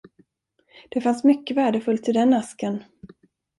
Det fanns mycket värdefullt i den asken.